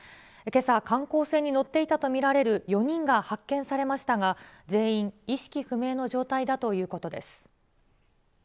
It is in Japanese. けさ、観光船に乗っていたと見られる４人が発見されましたが、全員、意識不明の状態だということです。